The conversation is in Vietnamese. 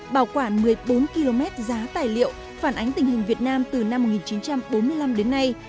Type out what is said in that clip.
bảo quản một mươi bốn km giá tài liệu phản ánh tình hình việt nam từ năm một nghìn chín trăm bốn mươi năm đến nay